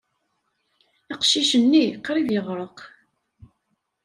Aqcic-nni qrib yeɣreq.